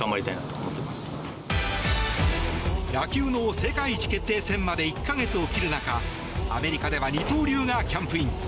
野球の世界一決定戦まで１か月を切る中アメリカでは二刀流がキャンプイン。